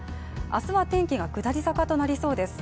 明日は天気が下り坂となりそうです。